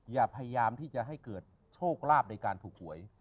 อย่าพยายามที่จะให้เกิดโชคลาภในการถูกหวย